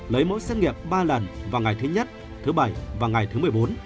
lấy mẫu xét nghiệm ba lần vào ngày thứ nhất thứ bảy và ngày thứ một mươi bốn